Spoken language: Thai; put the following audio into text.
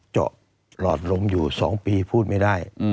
เจาะหลอดลมอยู่๒ปีพูดไม่ได้